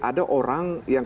ada orang yang